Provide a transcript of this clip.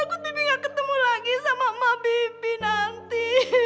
takut bibik gak ketemu lagi sama ma bibik nanti